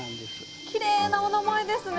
きれいなお名前ですね。